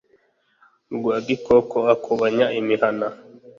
Rwagikoko ikubanya imihana